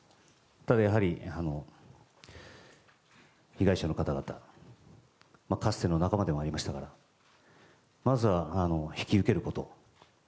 ただ、やはり被害者の方々かつての仲間でもありましたからまずは引き受けること。